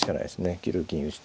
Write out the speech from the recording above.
９六銀打と。